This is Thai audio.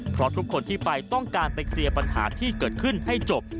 เพราะทุกคนที่ไปต้องการไปเคลียร์ปัญหาที่เกิดขึ้นให้จบ